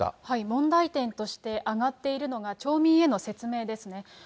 問題点として挙がっているのが、町民への説明ですね。